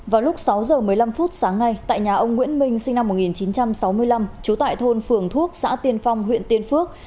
vào lúc sáu h một mươi năm phút sáng nay tại nhà ông nguyễn minh sinh năm một nghìn chín trăm sáu mươi năm trú tại thôn phường thuốc xã tiên phong huyện tiên phước